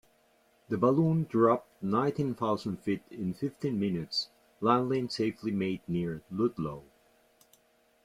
The balloon dropped nineteen thousand feet in fifteen minutes, landing safely made near Ludlow.